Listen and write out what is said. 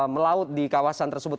melaut di kawasan tersebut